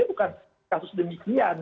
bukan kasus demikian